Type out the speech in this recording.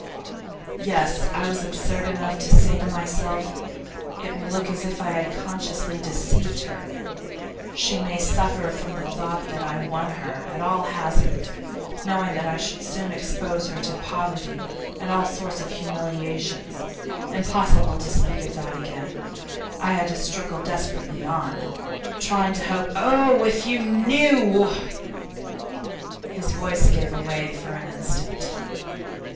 Yes, I was absurd enough to say to myself: "It will look as if I had consciously deceived her; she may suffer from the thought that I won her at all hazards, knowing that I should soon expose her to poverty and all sorts of humiliation." Impossible to speak of that again; I had to struggle desperately on, trying to hope. Oh! if you knew ' His voice gave way for an instant.